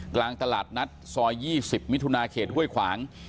กลางตลาดนัดซอย๒๐มิถุนาเขตห้วยขวาง